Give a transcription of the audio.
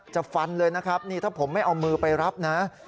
ฟันเลยนะครับนี่ถ้าผมไม่เอามือไปรับนะ